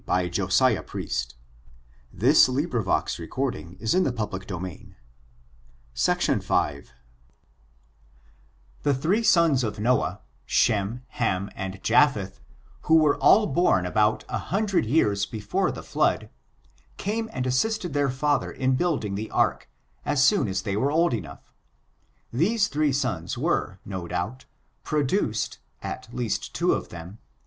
was not a mere prophesy, but a decree JudiciaL The three sons of Noah, Shem, Ham and Japheth, who were all bom about a hundred years before the flood, came and assisted their father in building the ark, as soon as they were old enough. These three sons were, no doubt, produced, at least two of them.